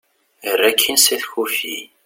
err akin s at kufi